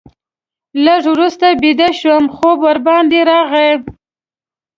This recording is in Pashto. لږ وروسته بیده شوم، خوب ورباندې راغی.